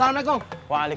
mau pada kemana nih